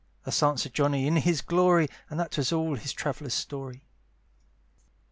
Thus answered Johnny in his glory, And that was all his travel's story.